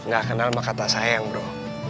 gak kenal mah kata sayang bro